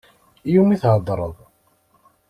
Iwumi theddṛeḍ?